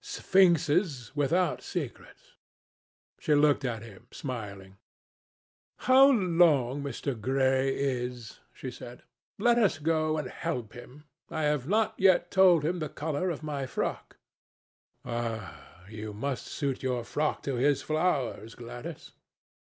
"Sphinxes without secrets." She looked at him, smiling. "How long Mr. Gray is!" she said. "Let us go and help him. I have not yet told him the colour of my frock." "Ah! you must suit your frock to his flowers, Gladys."